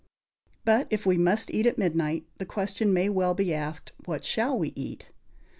But, if we must eat at midnight, the question may well be asked, What shall we eat?